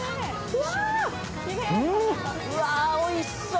うわー、おいしそう。